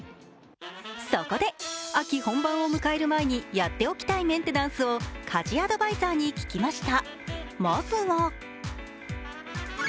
そこで、秋本番を迎える前にやっておきたいメンテナンスを家事アドバイザーに聞きました。